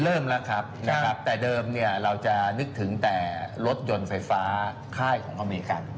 เริ่มแล้วครับนะครับแต่เดิมเนี่ยเราจะนึกถึงแต่รถยนต์ไฟฟ้าค่ายของอเมริกัน